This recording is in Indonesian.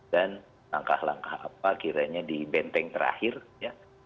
langkah langkah apa kiranya di benteng terakhir ya